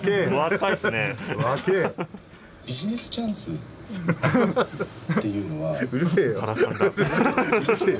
「ビジネスチャンスっていうのは」。